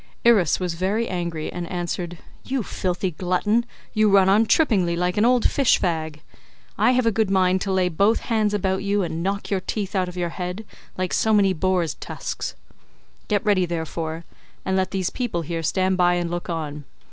Irus was very angry and answered, "You filthy glutton, you run on trippingly like an old fish fag. I have a good mind to lay both hands about you, and knock your teeth out of your head like so many boar's tusks. Get ready, therefore, and let these people here stand by and look on.